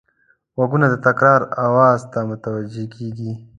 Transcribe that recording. غوږونه د تکرار آواز ته متوجه کېږي